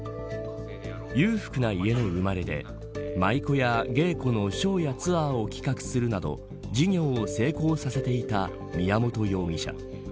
裕福な家の生まれで舞妓や芸妓のショーやツアーを企画するなど事業を成功させていた宮本容疑者。